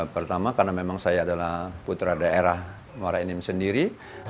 pertama karena memang saya adalah putra daerah muara enim sendiri